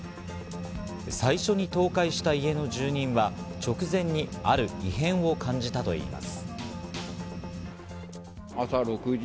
最初に倒壊した家の住人は、直前にある異変を感じたといいます。